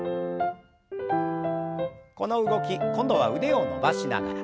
この動き今度は腕を伸ばしながら。